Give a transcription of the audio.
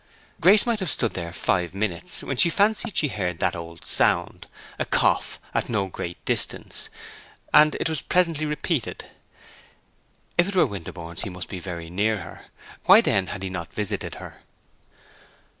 Grace might have stood there five minutes when she fancied she heard that old sound, a cough, at no great distance; and it was presently repeated. If it were Winterborne's, he must be near her; why, then, had he not visited her?